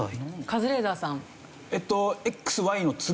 カズレーザーさん。